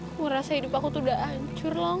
aku merasa hidup aku tuh udah hancur long